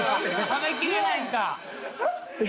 食べきれないんだ。